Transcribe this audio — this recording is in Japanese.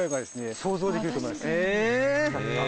想像できると思いますあっ